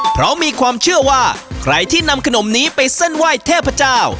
เพราะมีความเชื่อว่าใครที่นำขนมนี้ไปเส้นไหว้เทพเจ้า